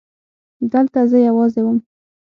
دلته زه يوازې وم.